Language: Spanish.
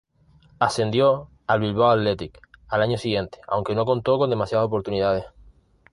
Ascendió al Bilbao Athletic al año siguiente, aunque no contó con demasiadas oportunidades.